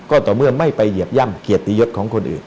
ก็ต่อเมื่อไม่ไปเหยียบย่ำเกียรติยศของคนอื่น